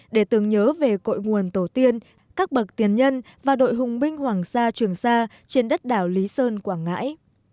để tưởng nhớ về cội nguồn tổ tiên các bậc tiền nhân và đội hùng binh hoàng sa trường sa trên đất đảo lý sơn quảng ngãi